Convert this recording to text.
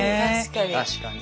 確かに。